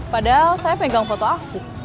padahal sahib megang foto aku